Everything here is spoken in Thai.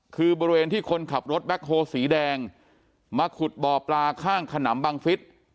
คือบริเวณที่คนขับรถแบ็คโฮสีแดงมาขุดบ่อปลาข้างขนำบังฟิศ